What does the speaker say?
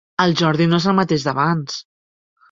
El Jordi no és el mateix d'abans.